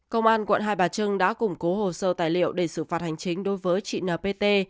công an quận hai bà trưng đã củng cố hồ sơ tài liệu để xử phạt hành chính đối với chị npt